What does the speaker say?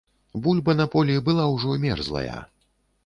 Бульба на полі была ўжо мерзлая.